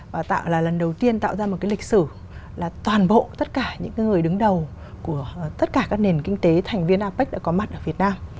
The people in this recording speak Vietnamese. và tạo là lần đầu tiên tạo ra một cái lịch sử là toàn bộ tất cả những người đứng đầu của tất cả các nền kinh tế thành viên apec đã có mặt ở việt nam